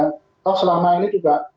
kalau selama ini juga